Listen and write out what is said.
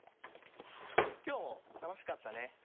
きょうも楽しかったね。